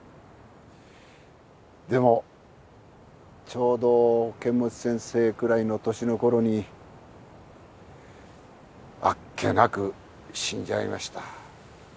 でもちょうど剣持先生くらいの年のころにあっけなく死んじゃいました。